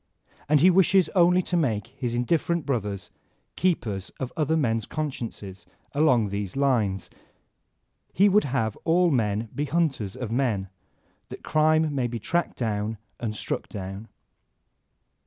And he wishes only to make his indifferent brothers keepers of other men's consciences along these lines. He would have all men be hunters of men, that crime may be tracked down and struck down.